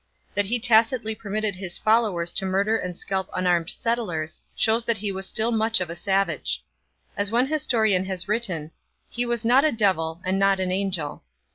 That he tacitly permitted his followers to murder and scalp unarmed settlers shows that he was still much of a savage. As one historian has written: 'He was not a devil, and not an angel.'